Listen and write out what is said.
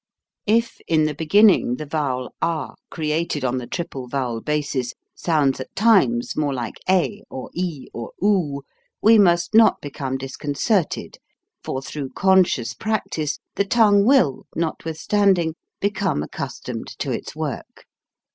If in the beginning the vowel ah THE ATTACK AND THE VOWELS 79 created on the triple vowel basis sounds at times more like a or e or oo, we must not be cpme disconcerted, for through conscious prac tice the tongue will, notwithstanding, become accustomed to its work.